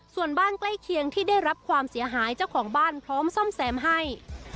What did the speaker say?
ส่วนบ้านใกล้เคียงที่ได้รับความเสียหายเจ้าของบ้านพร้อมซ่อมแซมให้